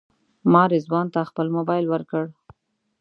ما رضوان ته خپل موبایل ورکړ.